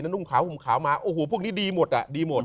นุ่งขาวห่มขาวมาโอ้โหพวกนี้ดีหมดอ่ะดีหมด